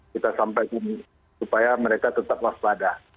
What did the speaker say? kita sampai ke mereka supaya mereka tetap waspada